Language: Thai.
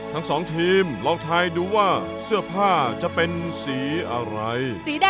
ทั้งสองทีมลองทายดูว่าเสื้อผ้าจะเป็นสีอะไร